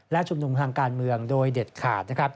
และชุมนุมทางการเมืองโดยเด็ดขาดนะครับ